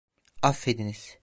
Affediniz.